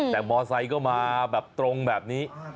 แต่มอไซค์ก็มาแบบตรงแบบนี้